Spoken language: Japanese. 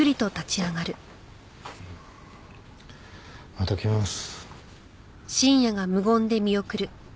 また来ます。